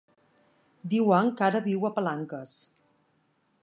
Diuen que ara viu a Palanques.